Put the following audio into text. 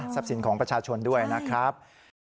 สินของประชาชนด้วยนะครับ